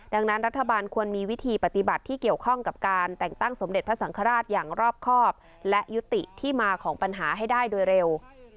ดังนั้นรัฐบาลควรมีวิธีปฏิบัติที่เกี่ยวข้องกับการแต่งตั้งสมเด็จพระสังฆราชอย่างรอบครอบและยุติที่มาของปัญหาให้ได้โดยเร็ว